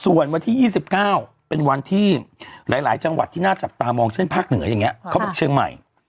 ส่วนวันที่๒๙เป็นวันที่หลายจังหวัดที่น่าจับตามองเช่นภาคเหนืออย่างนี้เขาบอกเชียงใหม่